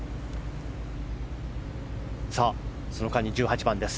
さあ、その間に１８番です。